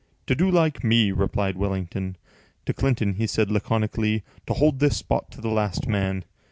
"To do like me," replied Wellington. To Clinton he said laconically, "To hold this spot to the last man."